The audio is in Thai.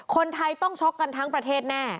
คนไทยต้องช็อกกันทั้งประเทศแน่